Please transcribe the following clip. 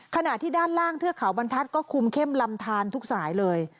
ขณะที่ด้านล่างเทือกเขาบรรทัศน์ก็คุมเข้มลำทานทุกสายเลย